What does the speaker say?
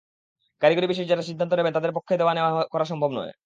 কারিগরি বিষয়ে যাঁরা সিদ্ধান্ত নেবেন, তাঁদের পক্ষে দেওয়া-নেওয়া করা সম্ভব নয়।